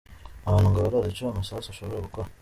Abantu ngo barazi ico amasasu ashobora gukora.